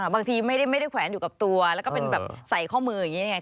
บางทีไม่ได้แขวนอยู่กับตัวแล้วก็เป็นแบบใส่ข้อมืออย่างนี้ไง